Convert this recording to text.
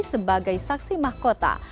sebagai saksi mahkota